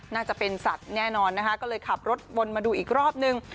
น่าจะเป็นสัตว์แน่นอนนะคะก็เลยขับรถวนมาดูอีกรอบนึง